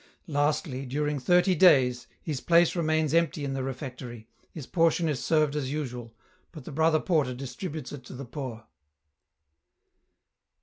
" Lastly, during thirty days, his place remains empty in the refectory, his portion is served as usual, but the brothei porter distributes it to the poor.